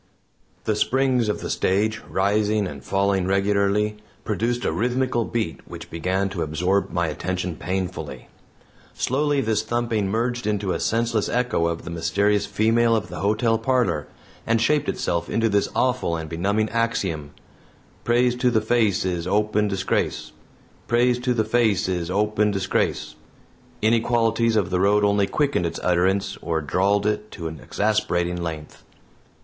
The springs of the stage, rising and falling regularly, produced a rhythmical beat which began to absorb my attention painfully. Slowly this thumping merged into a senseless echo of the mysterious female of the hotel parlor, and shaped itself into this awful and benumbing axiom "Praise to the face is open disgrace. Praise to the face is open disgrace." Inequalities of the road only quickened its utterance or drawled it to an exasperating length.